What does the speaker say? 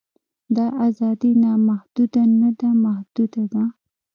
دا ازادي نامحدوده نه ده محدوده ده.